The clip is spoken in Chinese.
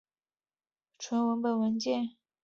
所有网志文章的数据用纯文本文件来保存。